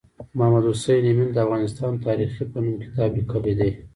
محمد حسین یمین د افغانستان تاریخي په نوم کتاب لیکلی دی